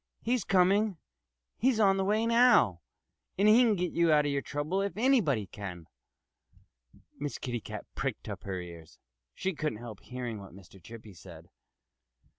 "He's coming! He's on the way now; and he can get you out of your trouble if anybody can." Miss Kitty Cat pricked up her ears. She couldn't help hearing what Mr. Chippy said.